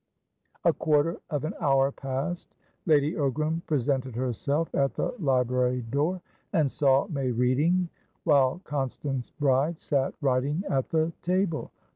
A quarter of an hour passed. Lady Ogram presented herself at the library door, and saw May reading, whilst Constance Bride sat writing at the table.